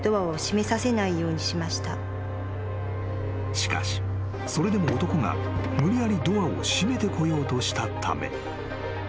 ［しかしそれでも男が無理やりドアを閉めてこようとしたため］